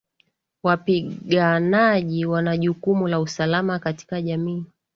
Wapiganaji wana jukumu la usalama katika jamii